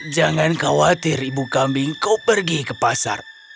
jangan khawatir ibu kambing kau pergi ke pasar